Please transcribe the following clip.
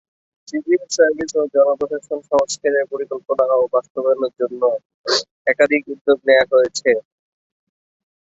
Civil service ও জনপ্রশাসন সংস্কারের পরিকল্পনা ও বাস্তবায়নের জন্য একাধিক উদ্যোগ নেয়া হয়েছে।